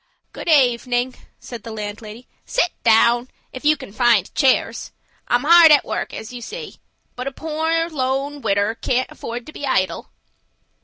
"Good evening," said the landlady. "Sit down, if you can find chairs. I'm hard at work as you see, but a poor lone widder can't afford to be idle."